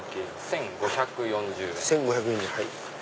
１５４０円。